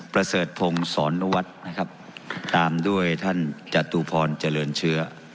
พระเสธพงษ์ศรนวัฒน์แห่งจัตรูพรแห่งเชื้อ